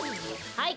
はい。